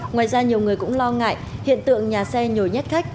ngoài ra nhiều người cũng lo ngại hiện tượng nhà xe nhồi nhét khách